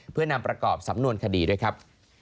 เพื่อนำประกอบสำนวนคดีด้วยครับ